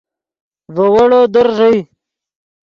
ڤے ویڑو در ݱئے